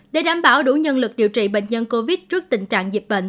để đảm bảo đủ nhân lực điều trị bệnh nhân covid trước tình trạng dịch bệnh